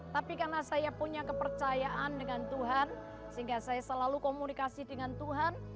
tapi karena saya punya kepercayaan dengan tuhan sehingga saya selalu komunikasi dengan tuhan